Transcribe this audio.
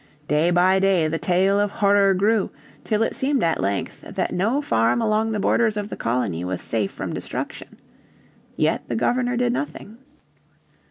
Day by day the tale of horror grew, till it seemed at length that no farm along the borders of the colony was safe from destruction. Yet the Governor did nothing.